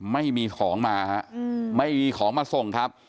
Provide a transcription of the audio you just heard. ไม่มีของมาฮะไม่มีของมาส่งครับ